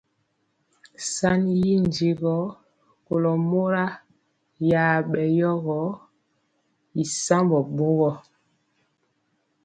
Sanni y ndi yɔ kolo mora ya bɛ yogɔ y sambɔ bɔɔgɔ.